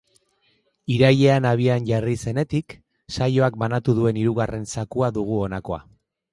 Irailean abian jarri zenetik, saioak banatu duen hirugarren zakua dugu honakoa.